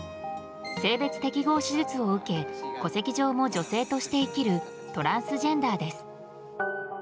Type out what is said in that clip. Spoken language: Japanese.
性別適合手術を受け戸籍上も女性として生きるトランスジェンダーです。